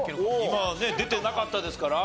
今ね出てなかったですから。